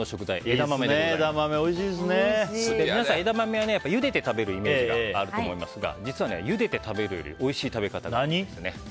枝豆は皆さんゆでて食べるイメージがあると思いますが実はゆでて食べるよりおいしい食べ方があるんですね。